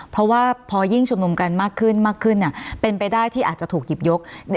เพราะว่าพอยิ่งชุมนุมกันมากขึ้นมากขึ้นเป็นไปได้ที่อาจจะถูกหยิบยก